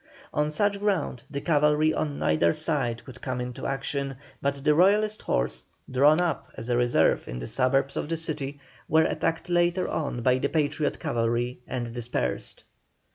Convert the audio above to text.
On such ground the cavalry on neither side could come into action, but the Royalist horse, drawn up as a reserve in the suburbs of the city, was attacked later on by the Patriot cavalry and dispersed.